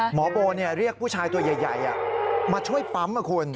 หมอโบเรียกผู้ชายตัวใหญ่มาช่วยปั๊มนะคุณ